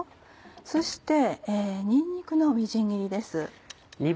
そしてにんにくのみじん切りです。